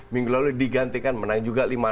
minggu lalu digantikan menang juga lima